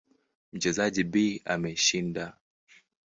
Mchezaji B ameshinda.